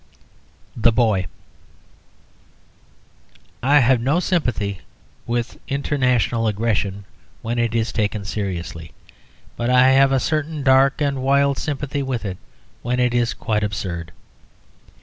THE BOY I have no sympathy with international aggression when it is taken seriously, but I have a certain dark and wild sympathy with it when it is quite absurd.